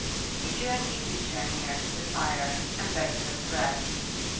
He drew an easy chair near to the fire and begged her to rest.